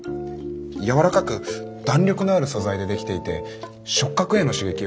柔らかく弾力のある素材でできていて触覚への刺激を子どもたちに与えます。